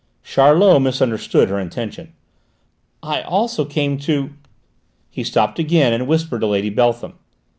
Charlot misunderstood her intention. "I also came to " He stopped again and whispered to Lady Beltham.